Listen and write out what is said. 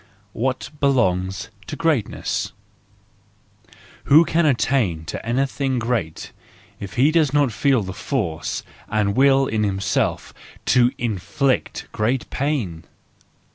What Belongs to Greatness .—Who can attain to anything great if he does not feel the force and will in himself to inflict great pain?